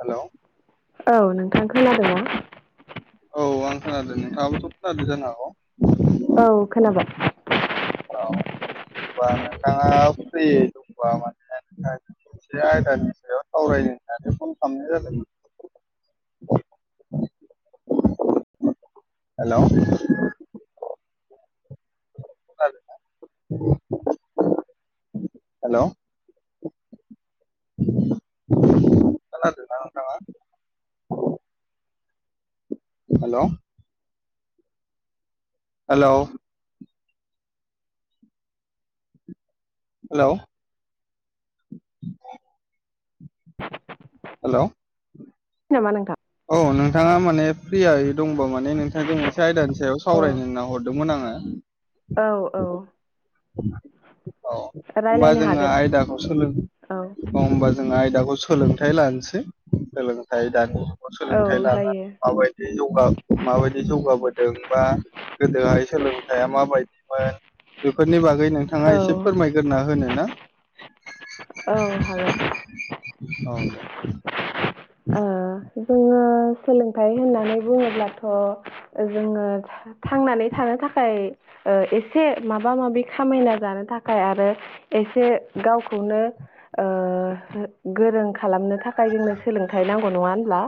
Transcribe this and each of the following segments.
Hello औ नोंथां खोनादों ना? औ आं खोनादों। नोंथाङाबोथ' खोनादो जानो हागौ? औ खोनाबाय। औ होनबा नोंथाङा फ्रि दंबा माने [unintelligible] से आयदानि सायाव सावरायनो थाखायाहाथ फन खालामनाय जादों। हेल'। [unintelligible] हेल'। खोनादों ना नोंथाङा? हेल'। हेल'। हेल' हेल' नामा नोंथां? औ नोंथाङा माने फ्रियायै दंबा माने नोंथांजों मोनसे आयदानि सायाव अ सावरायनो नना हरदोंमोन आङो औ औ औ होमबा रायलायनो जोङो हागोन आयदाखौ सोलो औ होमबा जों आयदाखौ सोलोंथाइ लानोसै सोलोंथाइय दानि औ सोलोंथाइ लानानै जायो माबायदि माबायदि जौगाबो बा गोदोहाय सोलोंथाइया मा बायदिमोन बेफोरनि बागै नोंथाङा औ एसे फोरमायग्रोना होनो ना औ हागोन औ दे अ जोङो सोलोंथाइ होननानै बुङोब्लाथ' जोङो थांनानै थानो एसे माबा माबि खामायना जानो थाखाय आरो एसे गाव गावखौनो गोरों खालामनो थाखाय जोंनो सोलोंथाइ नांगौ नङा होनब्ला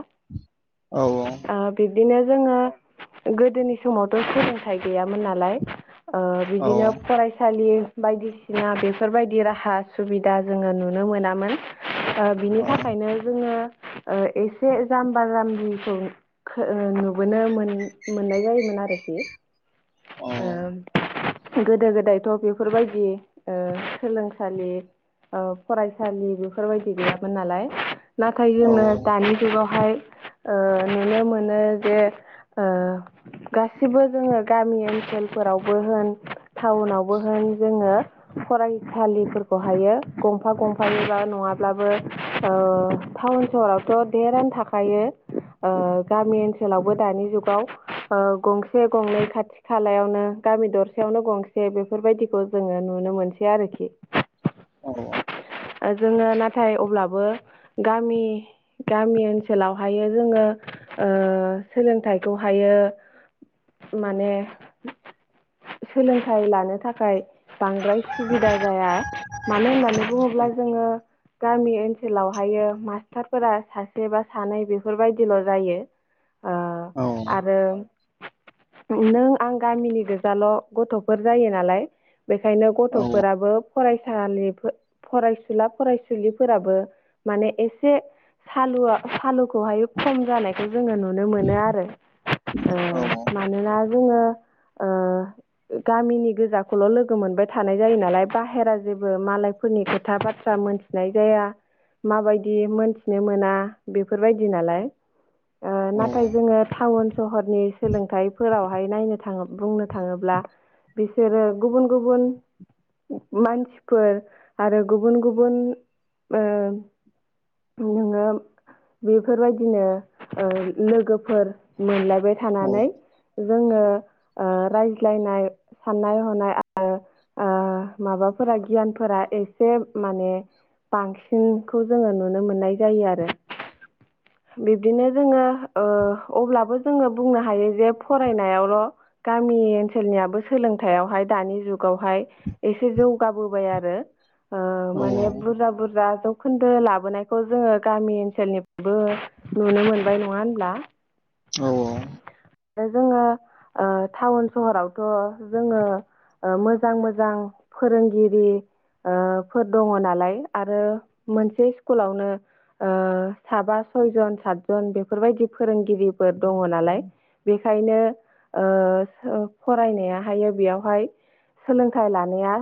औ ओ बिदिनो जोङो गोदोनि समावथ' सोलोंथाइ गैयामोन नालाय ओ औ बिदिनो फरायसालि बायदिसिना बेफोरबायदि राहा सुबिदा जोङो नुनो मोनामोन। ओ बिनि औ थाखायनो जोङो एसे जाम्बा जाम्बिखौ खो नुबोनो मोन मोननाय जायोमोन आरोखि। ओ गोदो गोदायथ' बेफोरबायदि ओ सोलोंसालि ओ फरायसालि बेफोरबायदि गैयामोन नालाय नाथाय औ जोङो दानि जुगावहाय ओ नुनो मोनो जे ओ गासिबो जोङो गामि ओनसोलफोरावबो होन टाउनावबो होन जोङो फरायसालिफोरखौ हायो गंफा गंफायोबा नङाब्लाबो ओ टाउन सहरावथ' देरानो थाखायो। ओगामि ओनसोलावबो दानि जुगाव गंसे गंनै खाथि खालायावनो गामि दरसेयावनो गंसे बेफोरबायदिखौ जोङो नुनो मोनसै आरोखि। औ जोङो नाथाय अब्लाबो गामि गामि ओनसोलावहायो जोङो ओ सोलोंथाइखौहायो माने सोलोंथाइ लानो थाखाय बांद्राय सुबिदा जाया मानो होननानै बुङोब्ला जोङो गामि ओनसोलाव हायो मास्टारफोरा सासे बा सानै बेफोरबायदिल' जायो ओ औ आरो नों आं गामिनि गोजाल' गथ'फोर जायो नालाय। बेखायनो औ औ गथ'फोराबो फरायसालि फरायसुला फरायसुलिफोराबो माने एसे सालुआ सालुखौहाय खम जानायखौ जोङो नुनो मोनो आरो ओ औ औ मानोना जोङो ओ गामिनि गोजाखौल' लोगो मोनबाय थानाय जायो नालाय बाहेरा जेबो मालाय फोरनि खोथा बाथ्रा मोनथिनाय जाया माबायदि मोनथिनो मोना बेफोरबायदि नालाय। ओ औ नाथाय जोङो टाउन सहरनि सोलोंथाइफोरावहाय नायनो थाङो बुंनो थाङोब्ला बिसोरो गुबुन गुबुन मानसिफोर आरो गुबुन गुबुन ओ नोङो बेफोरबायदिनो लोगोफोर मोनला बाय थानानै जोङो ओ रायज्लायनाय साननाय हनाय आरो ओ माबाफोरा गियानफोर आ एसे माने बांसिनखौ जोङो नुनो मोननाय जायो आरो। बिब्दिनो जोङो ओ अब्लाबो जोङो बुंनो हायो जे फरायनायावल' गामि ओनसोलनियाबो सोलोंथायाइआवहाय दानि जुगावहाय एसे जौगाबोबाय आरो। ओ माने बुरजा बुरजा जौखोन्दो लाबोनायखौ जोङो गामि ओनसोलनि बो नुनो मोनबाय नङा होनब्ला औ औ जोङो ओ टाउन सहरावथ' जोङो ओ मोजां मोजां फोरोंगिरि ओ फोर दङ नालाय आरो मोनसे स्कुलावनो ओ साबा सयजन सातजन बेफोरबायदि फोरोंगिरिफोर दङ नालाय बेखायनो ओ सो फरायनायाहायो बेयावहाय सोलोंथाइ लानाया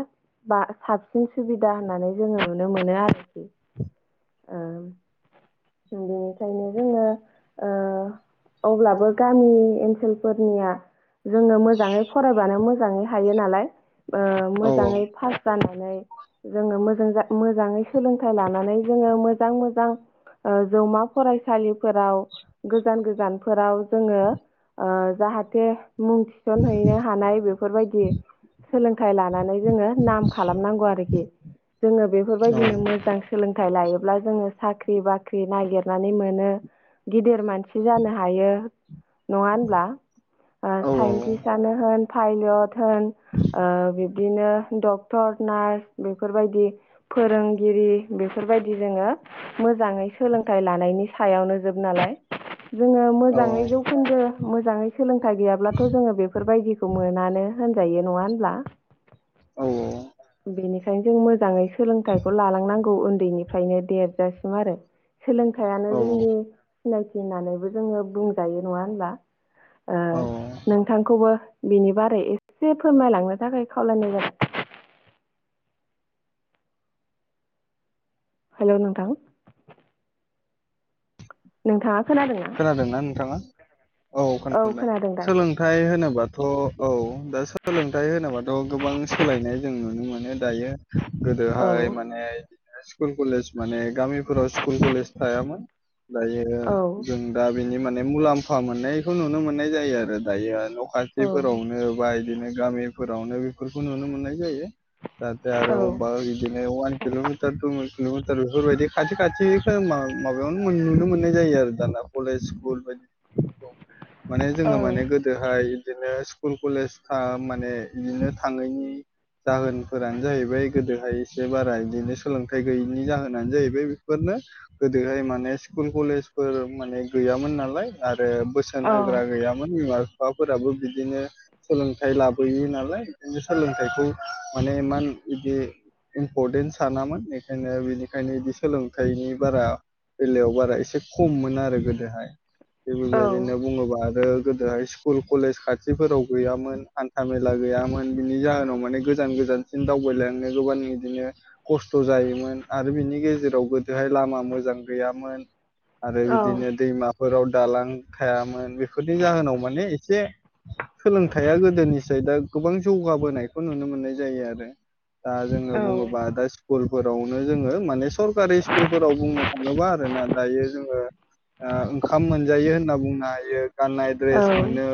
बा साबसिन सुबिदा होननानै जोङो नुनो मोनो आरोखि। ओ [inaudible] बेनिखायनो जोङो ओ अब्लाबो गामि ओनसोलफोरनिया जोङो मोजाङै फरायबानो मोजाङै हायो नालाय ओ मोजाङै पास जाना नै जोङो मोजां जा मोजाङै सोलोंथाइ लानानै जोङो मोजां मोजां जौमा फरायसालिफोराव गोजान गोजानफोराव जोङो ओ जाहाथे मुं थिसनहैनो हानाय बेफोरबायदि सोलोंथाइ लानानै जोङो नाम खालामनांगौ आरोखि जोङो बेफोरबायदिनो मोजां सोलोंथाइ लायोब्ला जोङो साख्रि बा ख्रि नागिरनानै मोनो गिदिर मानसि जानो हायो नङा होनब्लाा ओ साइन्टिसानो होन पायलट होन ओ बिब्दिनो डक्टर नार्स बेफोरबायदि फोरोंगिरि बेफोरबायदि जोङो मोजाङै सोलोंथाइ लानायनि सायावनो जोब नालाय जोङो औ मोजाङै जौखोन्दो मोजाङै सोलोंथाइ गैयाब्लाथ' जोङो बेफोरबायदिखौ मोनानो होनजायो नङा होनब्ला औ औ बेनिखायनो जों मोजाङै सोलोंथाइखौ लालांनांगौ उन्दैनिफ्रायनो देरजासिम आरो सोलोंथाइयानो औ जोंनि सिनायथि होननानैबो जोङो बुंजायो नङा होनबा ओ औ नोंथांखौबो बिनि बारै एसे फोरमायलांनो थाखाय खावलायनाय जाबाय हेलौ नोंथां नोंथाङा खोनादोंना खोनादोंना नोंथाङा औ औ खोनादोंदा खोनादों दासो सोलोंथाइ होनोबाथ' औ दा सोलोंथाइ होनोबाथ' गोबां सोला यनाय जों नुनो मोनो दायो औ गोदोहाय माने स्कुल कलेज माने गामिफोराव स्कुल कलेज थायामोन दायो औ जों दा बिनि माने मुलाम्फा मोननायखौ नुनो मोननाय जायो आरो दायो माने न' औ खाथिफोरावनो बा इदिनो गामिफोरावनो बेफोरखौ नुनो मोननाय जायो [unintelligible] आरो औ अबा इदिनो वान किल'मिटार टु किल'मिटार बेफोरबायदि खाथि खाथि खो मा-माबायावनो नुनो मोननाय जायो आरो दाना कलेज स्कुल बायदि औ माने जोङो औ माने गोदोहाय बिदिनो स्कुल कलेज थ माने बिदिनो थाङैनि जाहोनफोरानो जाहैबाय गोदोहाय एसे बारा बिदिनो सोलोंथाइ गैयिनि जाहोनानो जाहैबाय बेफोर नो गोदोहाय माने स्कुल कलेज फोर माने गैयामोन नालाय आरो बोसोन औ होग्रा गैयामोन बिमा बिफाफोराबो बिदिनो सोलोंथाइ लाबोयि नालाय [unintelligible] सोलोंथाइखौ माने इमान इदि इम्परटेन्ट सानामोन बेखायनो बिनिखायनो इदि सोलोंथाइनि बारा बेलायाव बारा एसे खममोन आरो गोदोहाय थिग औ औ बेबायदिनो बुङोबा आरो गोदोहाय स्कुल कलेज खाथिफोराव गैयामोन हान्था मेला गैयामोन बिनि जाहोनाव माने गोजान गोजानसिम दावबायलांनो गोबां बिदिनो खस्थ' जायोमोन आरो बिनि गेजेराव गोदोहाय लामा मोजां गैयामोन आरो बिदिनो दैमा फोराव दालां थायामोन बेफोरनि जाहोनाव माने एसे सोलोंथाइया गोदोनिसाय दा गोबां जौगाबोनायखौ नुनो मोननाय जायो आरो दा जोङो बुङोबा दा स्कुल फोरावनो जोङो माने सरकारि स्कुलफोराव बुंनो थाङोबा आरो ना दायो जोङो ओ ओंखाम मोनजायो होनना बुंनो हायो गाननाय द्रेस मोनो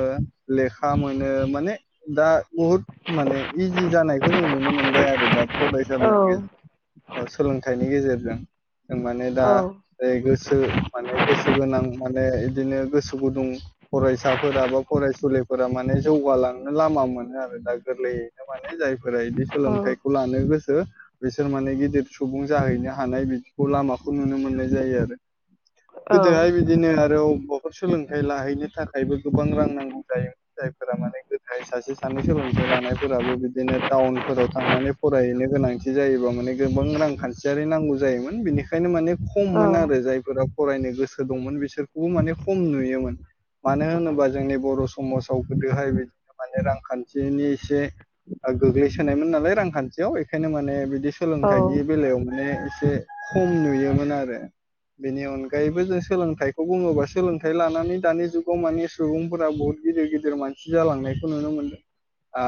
लेखा मोनो माने दा बुहुद माने इजि जानायखौ जों नुनो मोनबाय आरो दा फरायसालिनि गेजे ओ सोलोंथाइनि गेजेरजों जों माने दा औ जेरै गोसो माने गोसो गोनां माने इदिनो गोसो गुदुं फरायसाफोरा बा फरायसुलिफोरा माने जौगालांनो लामा मोनो आरो दा गोरलैयैनो माने जाय फोरा इदि सोलोंथाइखौ लानो गोसो बिसोर माने गिदिर सुबुं जाहैनो हानाय बिदिखौ लामाखौ नुनो मोननाय जायो आरो। गोदोहाय बिदिनो आरो अबबाव [inaudible] सोलोंथाइ लाहैनो थाखायबो गोबां रां नांगौ जायो जायफोरा माने गो ओमफ्राय सासे सानै सोलोंथाइ लानायफोराबो बिदिनो टाउनफोराव थांनानै फरायहैनो गोनांथि जायोबा माने गोबां रांखान्थियारि नांगौ जायोमोन बिनिखायनो माने खम औ मोन आरो जाय फ्र फरायनो गोसो दंमोन बिसोरखौबो माने खम नुयो माने। मानो होनोबा जोंनि बर' समाजाव गोदोहाय बिदिनो माने रांखान्थिनि एसे गोग्लैसोनायमोन नालाय रांखान्थियाव एखायनो माने बिदि औ सोलोंथाइनि बेलायाव माने एसे खम नुयोमोन आरो। बेनि अनगायैबो जों सोलोंथाइखौ बुङोबा सोलोंथाइ लानानै दानि जुगाव माने सुबुंफोरा बहुद गिदिर गिदिर मानसि जालांनायखौ नुनो मोनदों आ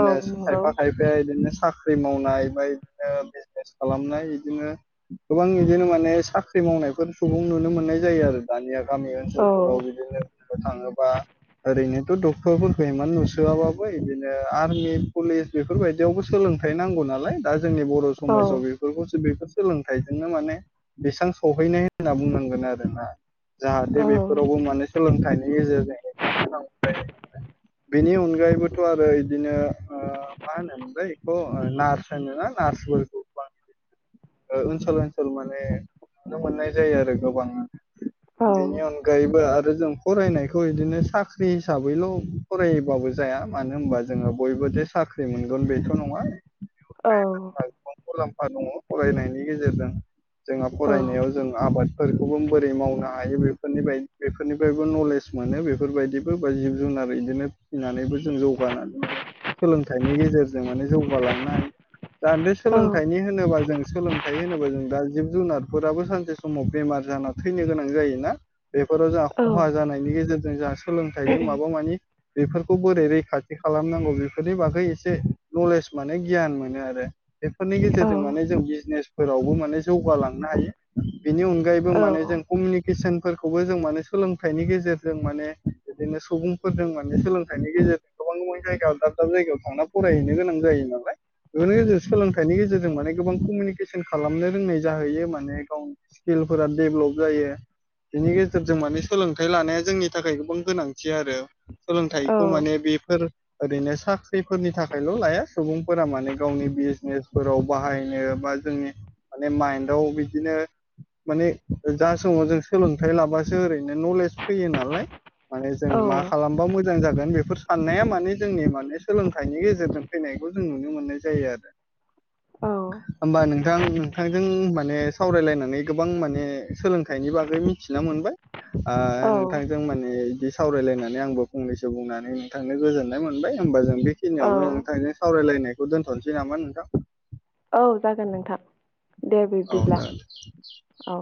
औ नंगौ खायफा खायफाया बिदिनो खाख्रि मावनाय बाय ओ बिजनेस खालामनाय बिदिनो गोबां बिदिनो माने साख साख्रि मावनायफोर सुबुं नुनो मोननाय जायो आरो दानिया गामि औ ओनसोलफोराव बिदिनो बुंनो थाङोबा ओरैनोथ' डक्टरफोरखौ एमान नुसोआबाबो इदिनो आर्मि पुलिस बेफोरबायदियावबो सोलो सोलोंथाइ नांगौ नालाय दा जोंनि बर' समाजाव बेफोरखौसो बेफोर सोलोंथाइजोंनो माने बेसां खहैनाय होनना बुंनांगोन आरोना जाहाथे बेफोरावबो माने सोलोंथाइनि गेजेरजों एक्जाम होनांगौ जायो नालाय बेनि अनगायैबोथ' आरो इदिनो ओ मा होनोमोनबा ईखौ नार्स होनो ना [unintelligible] ओ ओनसोल ओनसोल माने नुनो मोननाय जायो आरो गोबां औ बेनि अनगायैबो आरो जों फरायनायखौ इदिनो साख्रि हिसाबैल' फरायबाबो जाया मानो होनबा जोङो बयबो दे साख्रि मोनगोन बेथ' नङा औ आ दङ फरायनायनि गेजेरजों जोंहा औ फरायनायाव जों आबाद फोरखौबो बोरै मावनो हायो बेफोरनि बाय बेफोरनिफ्रायबो नलेज मोनो बेफोरबायदिबो बो बा जिब जुनार आरो इदिनो फिसिनानैबो जों जौगानानै माने सोलोंथाइनि गेजेरजों माने जौगालांनो हायो। दानदो सोलोंथाइनि होनोबा जों सोलोंथाइ होनोबा जों दा जिब जुनारफोराबो सानसे समाव बेमार जाना थैनो गोनां जायोना। बेफोराव जोंहा औ खहा जानायनि गेजेरजों जोंहा सोलोंथाइजों माबा मानि बेफोरखौ बोरै रैखाथि खालामनांगौ बेफोरनि बागै एसे नलेज माने गियान मोनो आरो बेफोरनि गेजेरजों माने जों बिजनेसफोरावबो माने जौगालांनो हायो। बेनि अनगायैबो माने जों कमिउनिकेसन फोरखौबो जों माने सोलोंथाइनि गेजेरजों माने बिदिनो सुबुंफोरजों माने सोलोंथाइनि गेजेरजों गोबां गोबां जायगायाव दाब दाब जायगायाव थांना फरायहैनो गोनां जायो नालाय ओरै ओजों सोलोंथाइनि गेजेरजों माने गोबां कमिउनिकेसन खालामनो रोंनाय जाहैयो माने गावनि स्किलफोरा डेभलप जायो। बिनि गेजेरजों माने सोलोंथाइ लानाया जोंनि थाखाय गोबां गोनांथि आरो सोलोंथाइखौ माने बेफोर ओरैनो साख्रिफोरनि थाखायल' लाया सुबुं फोर माने गावनि बिजनेसफोराव बाहाय नो बा जोंनि माने माइन्दआव बिदिनो माने जा समाव जों सोलोंथाइ लाबासो ओरैनो नलेज फैयो नालाय माने जों मा खालामबा मोजां जागोन बे। बेफोर साननाया माने जोंनि माने सोलोंथाइनि गेजेरजों फैनायखौ जों नुनो मोननाय जायो आरो। औ होमबा बिना मोनबाय नोंथांजों माने बिदि सावरायलायनानै आंबो फंनैसो बुंनानै नोंथांनो गोजोननाय मोनबाय होनबा जों बेखिनियावनो नोंथांनो सावरायलायनायखौ दोन्थ'नोसै नामा नोंथां? औ जागोन नोंथां दे औ बिब्दिब्ला जागोन औ